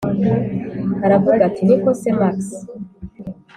aravuga ati: niko se max,